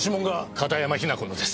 片山雛子のです。